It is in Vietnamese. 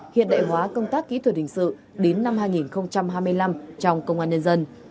hiện đại hóa công tác kỹ thuật hình sự đến năm hai nghìn hai mươi năm trong công an nhân dân